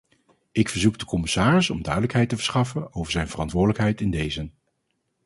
Ik verzoek de commissaris om duidelijkheid te verschaffen over zijn verantwoordelijkheid in dezen.